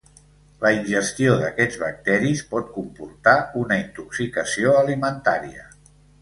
La ingestió d'aquests bacteris pot comportar una intoxicació alimentària.